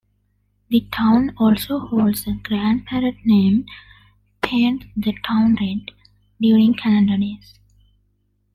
The town alsoholds a grand parade named "Paint the Town Red" during Canada Day.